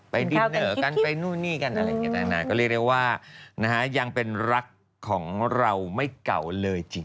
ดินเนอร์กันไปนู่นนี่กันอะไรอย่างนี้ต่างนานาก็เรียกได้ว่ายังเป็นรักของเราไม่เก่าเลยจริง